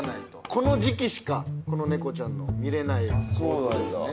この時期しかこの猫ちゃんの見れないものなんですね。